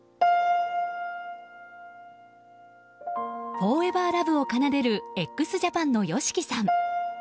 「ＦｏｒｅｖｅｒＬｏｖｅ」を奏でるＸＪＡＰＡＮのＹＯＳＨＩＫＩさん。